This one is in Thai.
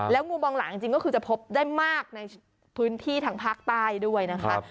งูบองหลังจริงก็คือจะพบได้มากในพื้นที่ทางภาคใต้ด้วยนะคะ